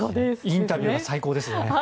インタビューが最高ですね。